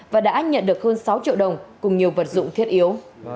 và đã nhận được hơn sáu triệu đồng cùng nhiều vật dụng thiết yếu